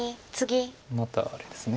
またあれですね。